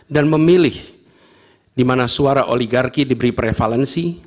dan memilih di mana suara oligarki diberi prevalensi